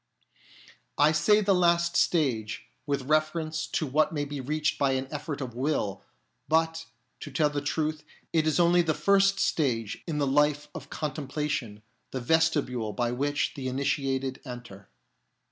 I say the last stage, with reference to what may be reached by an effort of will ; but, to tell the truth, it is only the first stage in the life of con templation, the vestibule by which the initiated enter.